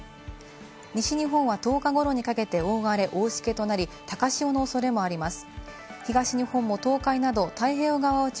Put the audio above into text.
西日本は１０日頃にかけて大荒れ、大しけとなり、高潮のおそれもあります。